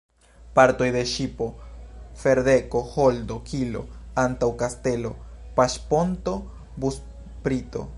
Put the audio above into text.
Partoj de ŝipo: ferdeko, holdo, kilo, antaŭkastelo, paŝponto, busprito.